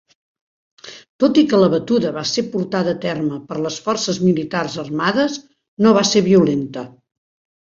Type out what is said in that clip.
Tot i que la batuda va ser portada a terme per les forces militars armades, no va ser violenta.